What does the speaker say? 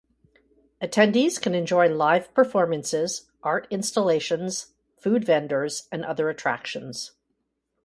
Attendees can enjoy live performances, art installations, food vendors, and other attractions.